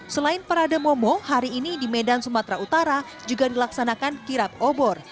selain parade momo hari ini di medan sumatera utara juga dilaksanakan kirap obor